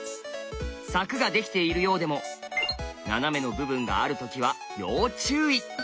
柵ができているようでも斜めの部分がある時は要注意！